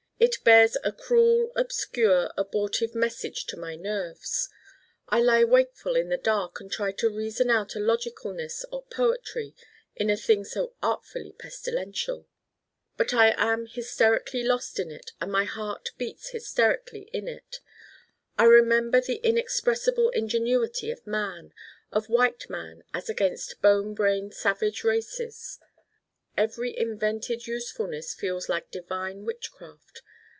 It bears a cruel obscure abortive message to my nerves. I lie wakeful in the dark and try to reason out a logicalness or poetry in a thing so artfully pestilential. But I am hysterically lost in it and my heart beats hysterically in it. I remember the inexpressible ingenuity of man: of white man as against bone brained savage races. Every invented usefulness feels like divine witchcraft.